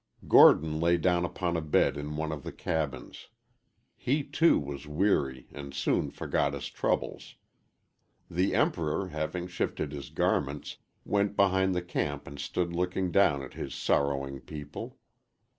Gordon lay down upon a bed in one of the cabins. He, too, was weary and soon forgot his troubles. The Emperor, having shifted his garments, went behind the camp and stood looking down at his sorrowing people.